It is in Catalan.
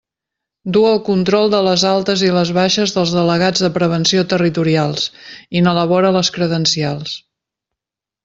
Du el control de les altes i les baixes dels delegats de prevenció territorials i n'elabora les credencials.